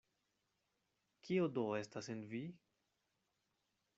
Kio do estas en vi?